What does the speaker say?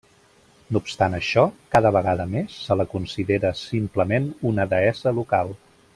No obstant això, cada vegada més, se la considera, simplement, una deessa local.